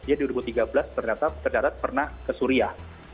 dia di dua ribu tiga belas ternyata pernah ke suria